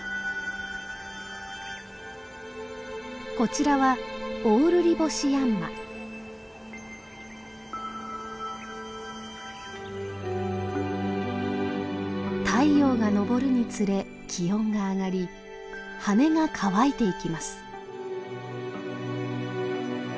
こちらは太陽が昇るにつれ気温が上がり羽が乾いていきます。